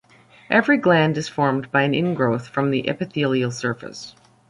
Every gland is formed by an ingrowth from an epithelial surface.